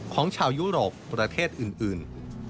ของชาวยุโรปประเทศอื่น